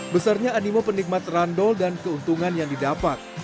besarnya animo penikmat randol dan keuntungan yang didapat